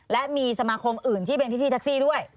และมีสมาคมอื่นที่เป็นพี่แท็กซี่ด้วย